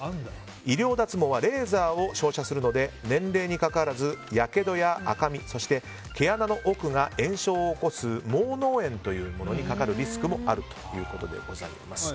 医療脱毛はレーザーを照射するので年齢にかかわらずやけどや赤み、そして毛穴の奥が炎症を起こす毛のう炎というものにかかるリスクもあるということです。